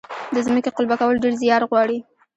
د ځمکې قلبه کول ډیر زیار غواړي.